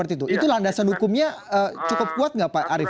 itu landasan hukumnya cukup kuat nggak pak arief